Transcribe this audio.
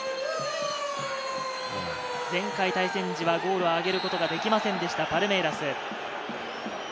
前回対戦時はゴールを挙げることができませんでした、パルメイラス。